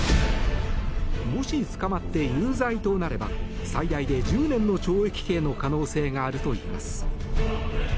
もし、捕まって有罪となれば最大で１０年の懲役刑の可能性があるといいます。